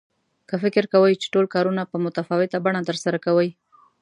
که فکر کوئ چې ټول کارونه په متفاوته بڼه ترسره کوئ.